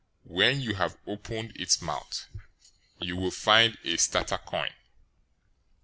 When you have opened its mouth, you will find a stater coin.